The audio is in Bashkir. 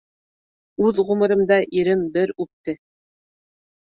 Үҙ ғүмеремдә ирем бер үпте